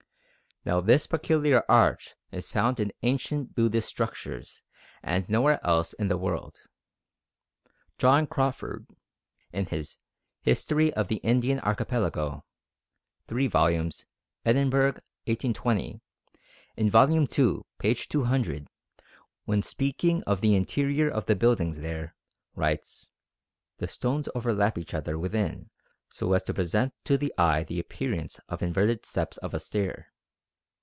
Now this peculiar arch is found in ancient Buddhist structures and nowhere else in the world. John Crawfurd in his History of the Indian Archipelago (3 vols.: Edinburgh, 1820), in vol. ii. p. 200, when speaking of the interior of the buildings there, writes: "The stones overlap each other within so as to present to the eye the appearance of inverted steps of a stair....